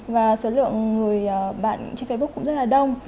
và số lượng người bạn trên facebook cũng rất là đông